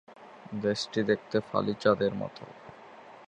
দেশটি দেখতে ফালি চাঁদের মত।